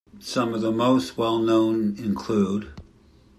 Some of the most well known include.